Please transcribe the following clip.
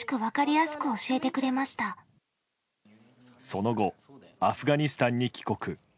その後、アフガニスタンに帰国。